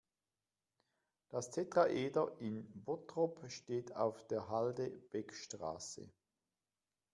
Das Tetraeder in Bottrop steht auf der Halde Beckstraße.